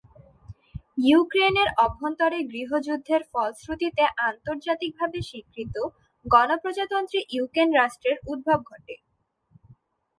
ইউক্রেনের অভ্যন্তরে গৃহযুদ্ধের ফলশ্রুতিতে আন্তর্জাতিকভাবে স্বীকৃত গণপ্রজাতন্ত্রী ইউক্রেন রাষ্ট্রের উদ্ভব ঘটে।